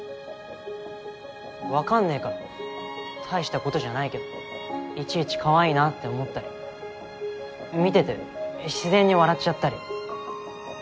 分かんねえから大したことじゃないけどいちいちかわいいなって思ったり見てて自然に笑っちゃったり。